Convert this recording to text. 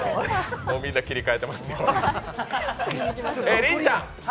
もうみんな切り替えてますけれども。